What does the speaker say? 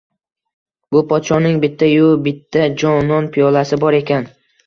Bu podshoning bitta-yu bitta jonon piyolasi bor ekan